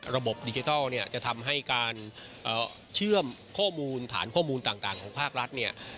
ระบบดิจิทัลเนี่ยจะทำให้การเชื่อมข้อมูลฐานข้อมูลต่างของภาครัฐเนี่ย